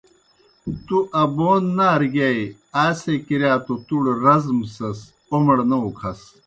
تُوْ ابون نارہ گِیائے آئے سے کِرِیا توْ تُوْڑ رزمسَس اومڑ نہ اُکھس۔